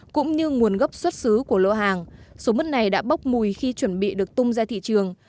cũng như nguồn gốc xuất xứ của lô hàng số mứt này đã bốc mùi khi chuẩn bị được tung ra thị trường